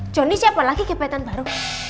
jonny siapa lagi gigi petan baru